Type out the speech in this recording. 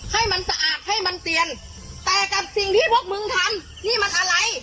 ให้มันสะอาดให้มันเตียนแต่กับสิ่งที่พวกมึงทำนี่มันอะไร